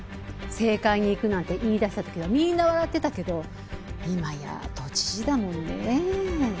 政界に行くなんて言い出した時はみんな笑ってたけど今や都知事だもんねえ。